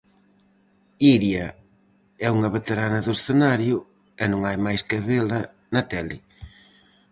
Iria é unha veterana do escenario, e non hai máis que vela na tele.